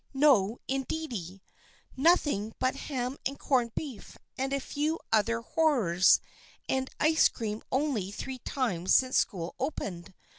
No, indeedy ! Nothing but ham and corned beef, and a few other horrors, and ice cream only three times since school opened.